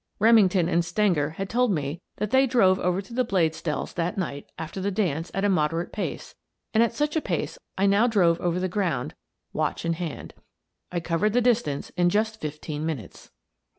Remington and Stenger had told me that they drove over to the Bladesdells' that night after the dance at a moderate pace, and at such a pace I now drove over the ground, watch in hand. I covered the distance in just fifteen minutes.